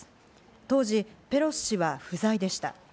当時ペロシ氏は不在でした。